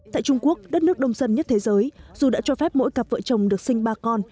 tại trung quốc đất nước đông dân nhất thế giới dù đã cho phép mỗi cặp vợ chồng được sinh ba con